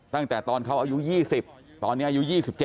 ตั้งแต่ตอนเขาอายุ๒๐ตอนนี้อายุ๒๗